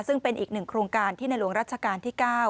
ซึ่งเป็นอีกหนึ่งโครงการที่ในหลวงรัชกาลที่๙